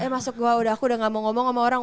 masuk gua udah aku udah gak mau ngomong sama orang